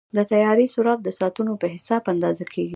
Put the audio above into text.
د طیارې سرعت د ساعتونو په حساب اندازه کېږي.